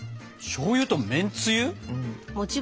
しょうゆとめんつゆ？